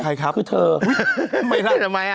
ใครครับคือเธอไม่ได้ทำไมอ่ะ